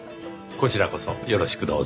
こちらこそよろしくどうぞ。